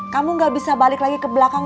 kamu gak bisa balik lagi ke belakang